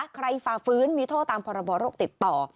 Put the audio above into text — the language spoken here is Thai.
ฝ่าฟื้นมีโทษตามพรบโรคติดต่อ